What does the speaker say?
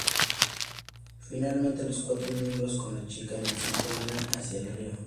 Finalmente los cuatro miembros, con la chica en el centro, miran hacia el río.